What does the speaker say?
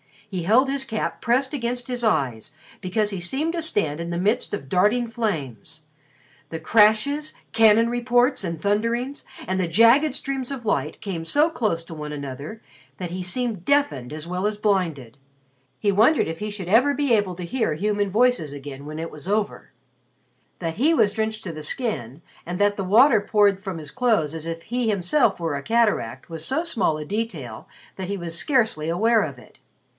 He held his cap pressed against his eyes because he seemed to stand in the midst of darting flames. The crashes, cannon reports and thunderings, and the jagged streams of light came so close to one another that he seemed deafened as well as blinded. He wondered if he should ever be able to hear human voices again when it was over. That he was drenched to the skin and that the water poured from his clothes as if he were himself a cataract was so small a detail that he was scarcely aware of it.